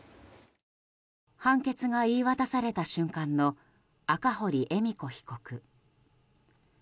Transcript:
判決が言い渡された瞬間の赤堀恵美子被告。